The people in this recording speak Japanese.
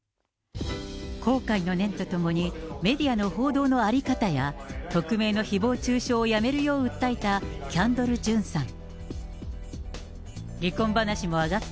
後悔の念とともに、メディアの報道の在り方や、匿名のひぼう中傷をやめるよう訴えたキャンドル・ジュンさん。